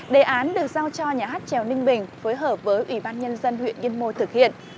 đề án được giao cho nhà hát trèo ninh bình phối hợp với ủy ban nhân dân huyện yên mô thực hiện